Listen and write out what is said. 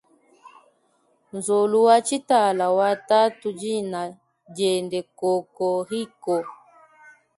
Nzolu watshitala wa tatudina diende kokoriko.